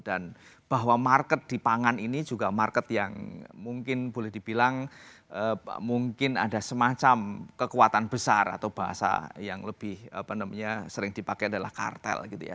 dan bahwa market di pangan ini juga market yang mungkin boleh dibilang mungkin ada semacam kekuatan besar atau bahasa yang lebih apa namanya sering dipakai adalah kartel gitu ya